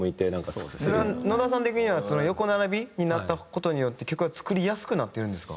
それは野田さん的には横並びになった事によって曲は作りやすくなってるんですか？